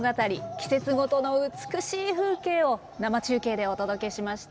季節ごとの美しい風景を生中継でお届けしました。